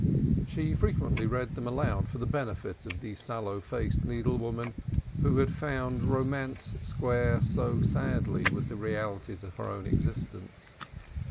She frequently read them aloud for the benefit of the sallow faced needle woman, who had found romance square so sadly with the realities of her own existence.